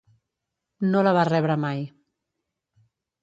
No la va rebre mai.